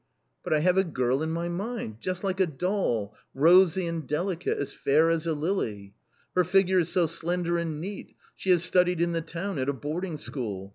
" But I have a girl in my mind — just like a doll, rosy and delicate, as fair as a lily. Her figure is so slender and neat ; she has studied in the town at a boarding school.